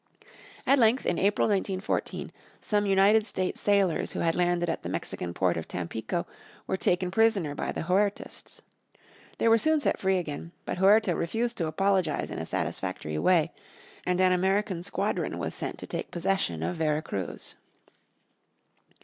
At length in April, 1914, some United States sailors who had landed at the Mexican port of Tampico were taken prisoner by the Huertists. They were soon set free again, but Huerta refused to apologize in a satisfactory way, and an American squadron was sent to take possession of Vera Cruz.